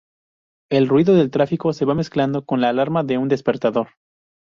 El ruido del tráfico se va mezclando con la alarma de un despertador.